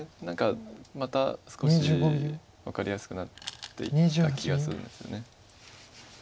何かまた少し分かりやすくなってきた気がするんですよね。